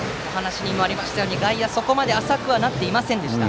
外野はそこまで浅くはなっていませんでした。